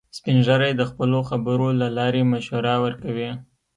سپین ږیری د خپلو خبرو له لارې مشوره ورکوي